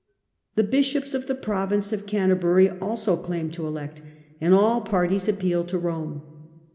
The bishops of the province of Canterbury also claimed to elect, and all parties appealed to Rome.